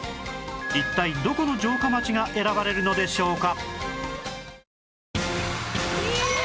一体どこの城下町が選ばれるのでしょうか？